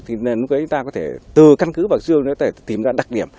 thì chúng ta có thể từ căn cứ vào xương chúng ta có thể tìm ra đặc điểm